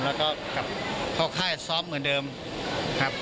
แล้วก็กลับเข้าค่ายซ้อมเหมือนเดิมครับ